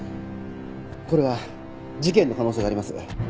これは事件の可能性があります。